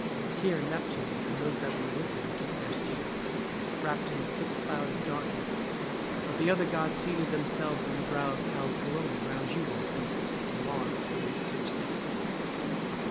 Here Neptune and those that were with him took their seats, wrapped in a thick cloud of darkness; but the other gods seated themselves on the brow of Callicolone round you, O Phoebus, and Mars the waster of cities.